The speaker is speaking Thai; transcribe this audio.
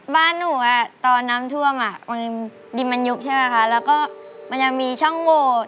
บ้านหนูตอนน้ำท่วมดินมันยุบใช่ไหมคะแล้วก็มันยังมีช่องโหวต